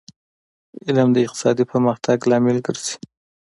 علم د اقتصادي پرمختګ لامل ګرځي